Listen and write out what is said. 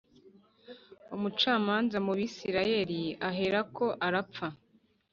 umucamanza mu bisirayeli aherako arapfa